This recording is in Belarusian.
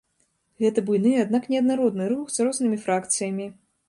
Гэта буйны, аднак неаднародны рух з рознымі фракцыямі.